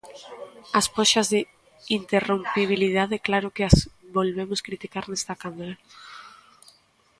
As poxas de interrompibilidade claro que as volvemos criticar nesta Cámara.